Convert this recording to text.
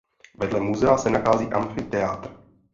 Vedle muzea se nachází amfiteátr.